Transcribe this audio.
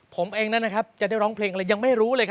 ผมเองนั้นนะครับจะได้ร้องเพลงอะไรยังไม่รู้เลยครับ